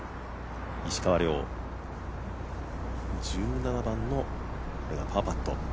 石川遼、１７番のパーパット。